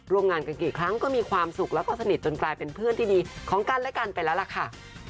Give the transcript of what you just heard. ร่วมงานกันกี่ครั้งก็มีความสุขแล้วก็สนิทจนกลายเป็นเพื่อนที่ดีของกันและกันไปแล้วล่ะค่ะ